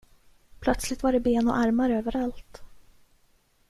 Plötsligt var det ben och armar överallt.